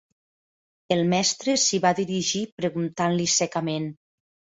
El mestre s'hi va dirigir preguntant-li secament